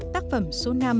tác phẩm số năm